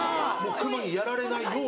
熊にやられないように。